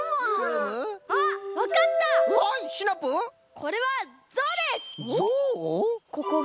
これはゾウです！